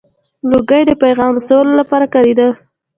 • لوګی د پیغام رسولو لپاره کارېده.